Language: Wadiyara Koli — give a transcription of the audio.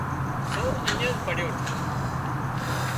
سور اڃين پڙيو ٺو